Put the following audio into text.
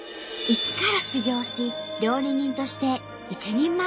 「一から修業し料理人として一人前になる」。